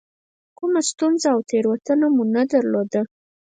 کومه ستونزه او تېروتنه مو نه درلوده.